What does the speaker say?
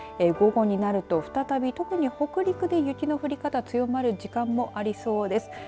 午後になると再び、特に北陸で雪の強まる時間もありそうです。